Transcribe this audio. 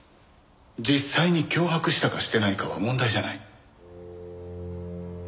実際に脅迫したかしてないかは問題じゃない。